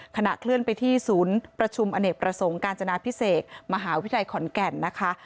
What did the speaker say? ขณะเคลื่อนไปที่ศูนย์ประชุมอเนกประสงค์กาญจนาพิเศษมหาวิทยาลัยขอนแก่นนะคะ